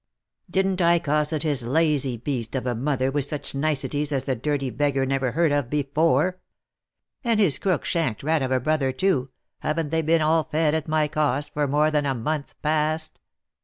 Didn't I cosset his lazy beast of a mother with such niceties as the dirty beggar never heard of before ? And his crook shanked rat of a brother, too, haven't they been all fed at my cost for more than a month past